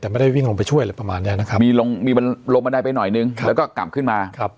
มันได้ไปหน่อยหนึ่งแล้วก็กลับขึ้นมาครับ